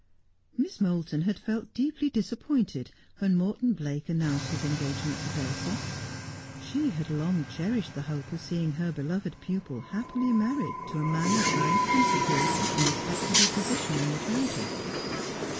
Miss Moulton had felt deeply disappointed when Morton Blake announced his engagement to Dulcie. She had long cherished the hope of seeing her beloved pupil happily married to a man of high principles and respectable position in the county.